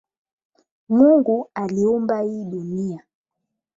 Mungu aliumba hii dunia